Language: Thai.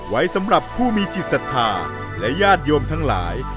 ไว้สำหรับผู้มีจิตศรัทธาและญาติโยมทั้งหลาย